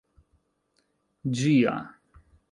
ĝia